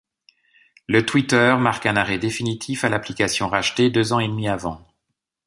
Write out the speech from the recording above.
Le Twitter marque un arrêt définitif à l’application rachetée deux ans et demi avant.